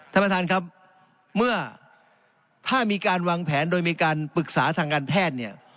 ท่านประธานครับเมื่อถ้ามีการวางแผนโดยมีการปรึกษาทางการแพทย์เนี่ย